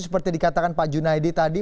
seperti dikatakan pak junaidi tadi